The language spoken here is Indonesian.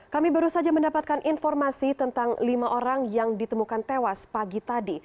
kami baru saja mendapatkan informasi tentang lima orang yang ditemukan tewas pagi tadi